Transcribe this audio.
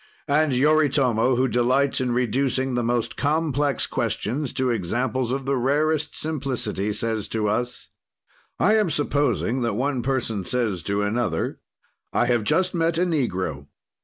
And Yoritomo, who delights in reducing the most complex questions to examples of the rarest simplicity, says to us: "I am supposing that one person says to another, I have just met a negro.